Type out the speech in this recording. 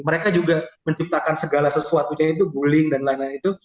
mereka juga menciptakan segala sesuatunya itu bullying dan lain lain itu